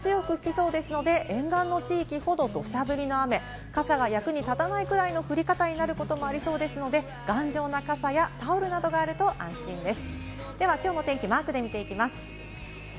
また南風も強く吹きそうですので沿岸の地域ほど土砂降りの雨、傘が役に立たないくらいの降り方になることもありそうですので、頑丈な傘やタオルなどがあると安心です。